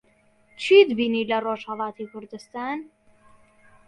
چیت بینی لە ڕۆژھەڵاتی کوردستان؟